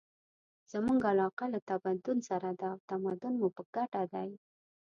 زموږ علاقه له تمدن سره ده او تمدن مو په ګټه دی.